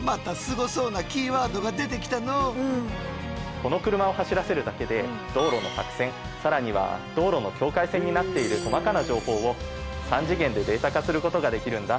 この車を走らせるだけで道路の白線更には道路の境界線になっている細かな情報を３次元でデータ化することができるんだ。